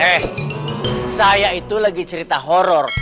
eh saya itu lagi cerita horror